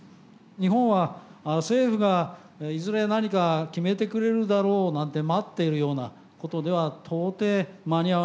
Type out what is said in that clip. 日本は政府がいずれ何か決めてくれるだろうなんて待っているようなことでは到底間に合わないわけでありまして